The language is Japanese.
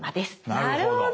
なるほど。